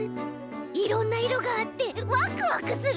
いろんないろがあってワクワクする。